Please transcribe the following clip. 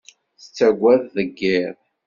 Tettagad deg yiḍ.